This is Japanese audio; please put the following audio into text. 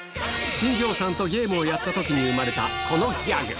新庄さんとゲームをやったときに生まれたこのギャグ。